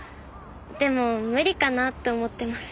でも無理かなって思ってます。